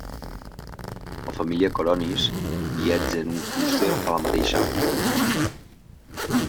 La família Coronis viatja en un clúster a la mateixa òrbita.